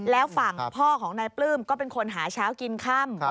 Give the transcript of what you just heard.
แล้วฝั่งพ่อของนายปลื้มก็เป็นคนหาเช้ากินค่ำ